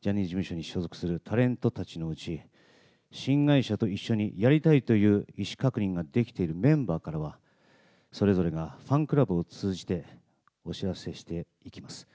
ジャニーズ事務所に所属するタレントたちのうち、新会社と一緒にやりたいという意思確認ができているメンバーからは、それぞれがファンクラブを通じてお知らせしていきます。